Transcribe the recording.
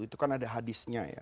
itu kan ada hadisnya ya